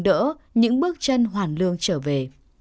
để đỡ những bước chân hoàn lương trở về